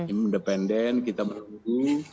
independen kita menunggu